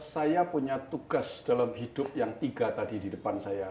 saya punya tugas dalam hidup yang tiga tadi di depan saya